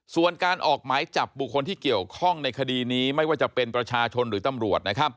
ส่วนการออกหมายจับบุคคลที่เกี่ยวข้องในคดีนี้ไม่ว่าจะเป็นประชาชนหรือตำรวจ